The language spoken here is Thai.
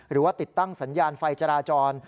หรือว่าติดตั้งสัญญาณไฟจราจร